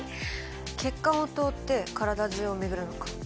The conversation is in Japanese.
血管を通って体じゅうを巡るのか。